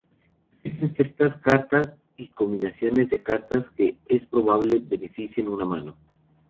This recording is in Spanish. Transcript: Existen ciertas cartas y combinaciones de cartas que es probable beneficien una mano.